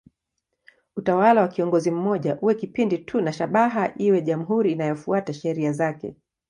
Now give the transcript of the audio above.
Utawala wa kiongozi mmoja uwe kipindi tu na shabaha iwe jamhuri inayofuata sheria zake.